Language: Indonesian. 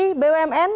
pak menteri bumn